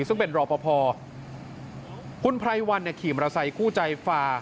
ซึ่งเป็นรอปภคุณไพรวันเนี่ยขี่มอเตอร์ไซคู่ใจฝ่า